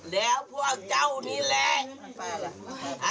แล้วพวกเจ้านี้แหละ